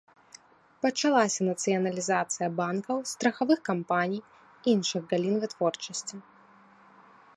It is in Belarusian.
Пачалася нацыяналізацыя банкаў, страхавых кампаній, іншых галін вытворчасці.